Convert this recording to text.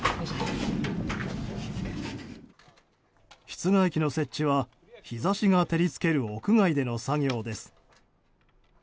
室外機の設置は日差しが照り付ける屋外での作業です。